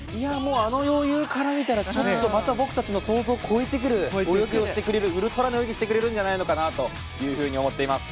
あの余裕から見たらまた僕たちの想像を超えてくる泳ぎをしてくれるウルトラな泳ぎをしてくれると思っています。